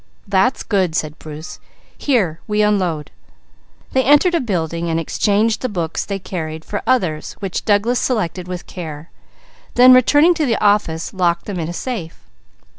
"That's good!" said Bruce. "Here we unload." They entered a building and exchanged the books they carried for others which Douglas selected with care, then returning to the office, locked them in a safe.